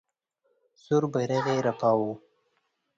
سور بیرغ یې رپاوه.